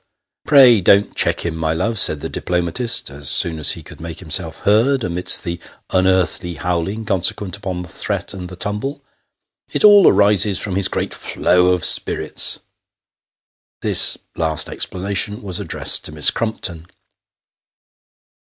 " Pray don't check him, my love," said the diplomatist, as soon as he could make himself heard amidst the unearthly howling consequent upon the threat and the tumble. " It all arises from his great flow of spirits." This last explanation was addressed to Miss Crumpton.